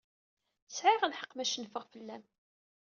Sɛiɣ lḥeqq ma cenfeɣ fell-am.